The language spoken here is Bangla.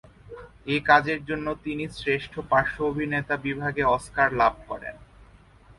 এই কাজের জন্য তিনি শ্রেষ্ঠ পার্শ্ব অভিনেতা বিভাগে অস্কার লাভ করেন।